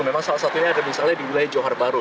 memang salah satunya ada misalnya di wilayah johor bahru